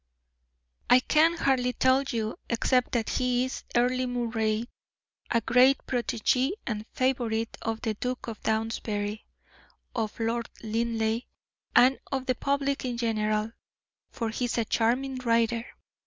"I can hardly tell you, except that he is Earle Moray, a great protege and favorite of the Duke of Downsbury, of Lord Linleigh, and of the public in general, for he is a charming writer.